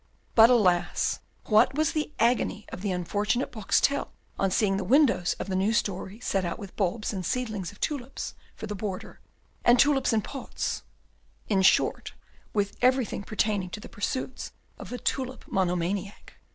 But alas! What was the agony of the unfortunate Boxtel on seeing the windows of the new story set out with bulbs and seedlings of tulips for the border, and tulips in pots; in short, with everything pertaining to the pursuits of a tulip monomaniac!